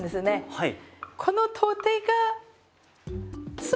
はい。